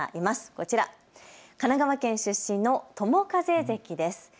こちら、神奈川県出身の友風関です。